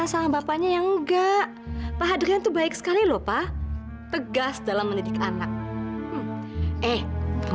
sampai jumpa di video selanjutnya